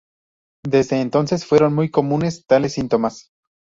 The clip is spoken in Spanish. Desde entonces fueron muy comunes tales síntomas.